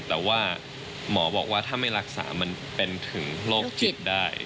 แต่ว่าหมอบอกว่าถ้าไม่รักษามันเป็นถึงโรคจิตได้